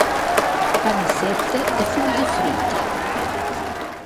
Panissette e fonzi friti.